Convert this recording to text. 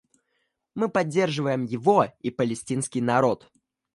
Мы поддерживаем его и палестинский народ.